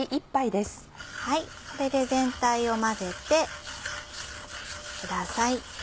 これで全体を混ぜてください。